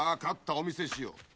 お見せしよう」